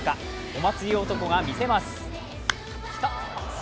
お祭り男が見せます。